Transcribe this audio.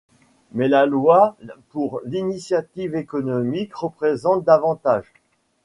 Mais la loi pour l'initiative économique représente davantage.